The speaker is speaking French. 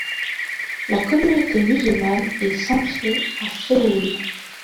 La communauté musulmane est centrée à Séoul.